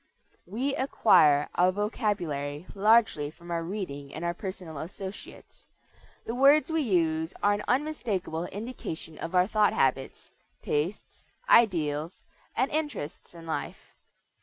We acquire our vocabulary largely from our reading and our personal associates. The words we use are an unmistakable indication of our thought habits, tastes, ideals, and interests in life.